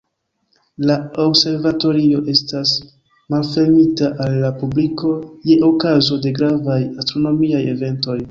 La observatorio estas malfermita al la publiko je okazo de gravaj astronomiaj eventoj.